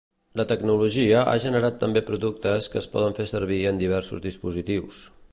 La tecnologia ha generat també productes que es poden fer servir en diversos dispositius.